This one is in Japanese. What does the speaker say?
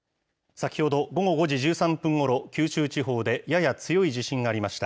先ほど、午後５時１３分ごろ、九州地方でやや強い地震がありました。